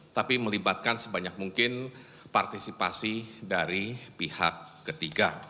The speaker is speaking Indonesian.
tapi melibatkan sebanyak mungkin partisipasi dari pihak ketiga